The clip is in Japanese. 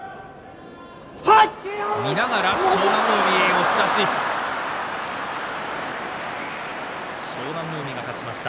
押し出し。